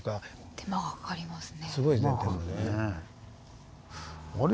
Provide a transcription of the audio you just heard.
手間がかかりますね。